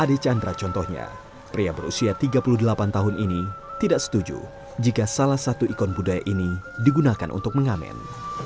adi chandra contohnya pria berusia tiga puluh delapan tahun ini tidak setuju jika salah satu ikon budaya ini digunakan untuk mengamen